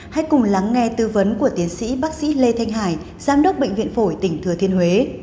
hãy cùng lắng nghe tư vấn của tiến sĩ bác sĩ lê thanh hải giám đốc bệnh viện phổi tỉnh thừa thiên huế